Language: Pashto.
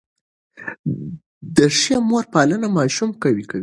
د ښې مور پالنه ماشوم قوي کوي.